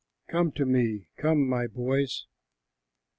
Come to me, come, my boys."